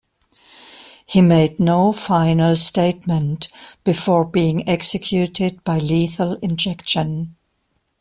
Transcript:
He made no final statement before being executed by lethal injection.